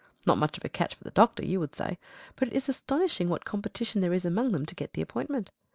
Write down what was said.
"Not much of a catch for the doctors," you would say, but it is astonishing what competition there is among them to get the appointment.